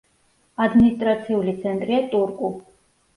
ადმინისტრაციული ცენტრია ტურკუ.